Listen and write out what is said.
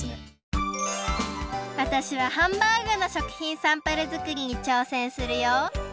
わたしはハンバーグの食品サンプルづくりにちょうせんするよ